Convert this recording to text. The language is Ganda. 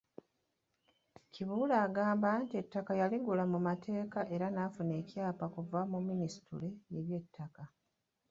Kibuule agamba nti ettaka yaligula mu mateeka era n’afuna n’ekyapa okuva mu Minisitule y’Eby'ettaka.